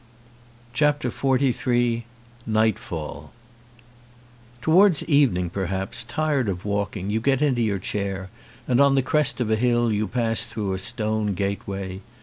170 XLIII NIGHTFALL TOWARDS evening perhaps, tired of walk ing, you get into your chair and on the crest of a hill you pass through a stone gateway.